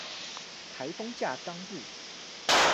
颱風假當日